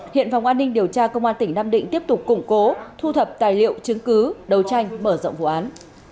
hiện phòng an ninh điều tra công an tỉnh nam định tiếp tục củng cố thu thập tài liệu chứng cứ đầu tranh mở rộng vụ án